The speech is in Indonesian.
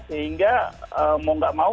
sehingga mau nggak mau